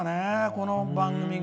この番組が。